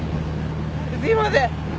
すいません。